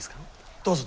どうぞ。